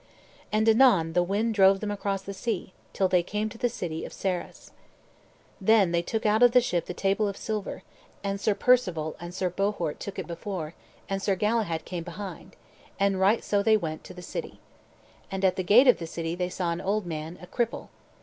And anon the wind drove them across the sea, till they came to the city of Sarras. Then took they out of the ship the table of silver, and Sir Perceval and Sir Bohort took it before, and Sir Galahad came behind, and right so they went to the city. And at the gate of the city they saw an old man, a cripple.